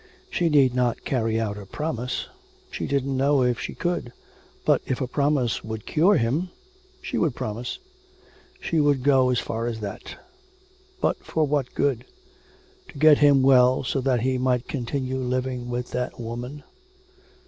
She need not carry out her promise; she didn't know if she could. But if a promise would cure him, she would promise. She would go as far as that. ... But for what good? To get him well so that he might continue living with that woman.